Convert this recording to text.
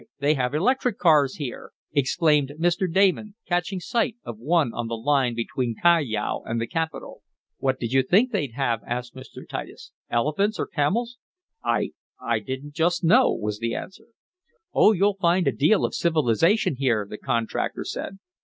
Why, they have electric cars here!" exclaimed Mr. Damon, catching sight of one on the line between Callao and the capital. "What did you think they'd have?" asked Mr. Titus, "elephants or camels?" "I I didn't just know," was the answer. "Oh, you'll find a deal of civilization here," the contractor said.